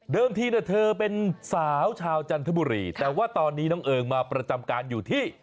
ทีเธอเป็นสาวชาวจันทบุรีแต่ว่าตอนนี้น้องเอิงมาประจำการอยู่ที่